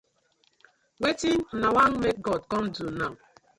Wetin una wan mek God com do naw?